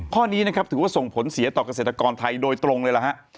ข้อนี้ถือว่าส่งผลเสียต่อกเกษตรกรไทยโดยตรงเลย